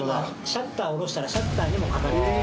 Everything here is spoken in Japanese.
シャッター下ろしたらシャッターにも書かれて。